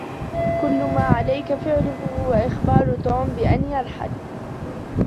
كل ما عليك فعله هو إخبار توم بأن يرحل.